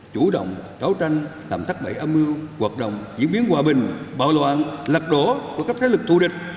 chủ động đấu tranh làm thắt bẫy âm mưu hoạt động diễn biến hòa bình bạo loạn lật đổ của các thế lực thù địch